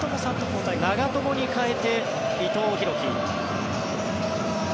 長友に代えて伊藤洋輝。